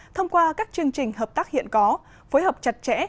thông qua các chương trình hợp tác hiện có phối hợp chặt chẽ